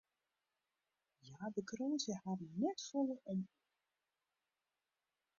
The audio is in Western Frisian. Hja bekroadzje harren net folle om oaren.